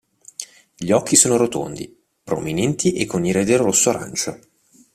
Gli occhi sono rotondi, prominenti e con iride rosso arancio.